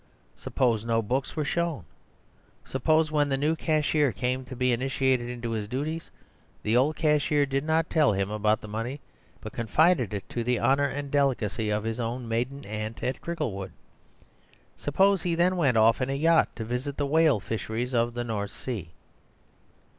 Suppose no books were shown. Suppose when the new cashier came to be initiated into his duties, the old cashier did not tell him about the money, but confided it to the honour and delicacy of his own maiden aunt at Cricklewood. Suppose he then went off in a yacht to visit the whale fisheries of the North Sea.